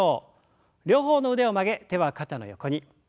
両方の腕を曲げ手は肩の横に。